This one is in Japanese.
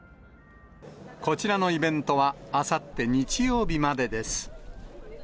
こちらのイベントは、あさって日曜日までです。